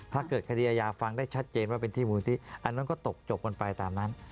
ถ้าเกิดคดียายาฟังได้ชัดเจนว่าเป็นที่มูลนิธิอันนั้นก็ตกจบบนไปตามนั้น